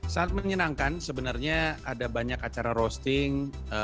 sangat menyenangkan sebenarnya ada banyak acara roasting